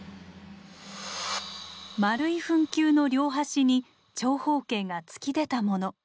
丸い墳丘の両端に長方形が突き出たもの。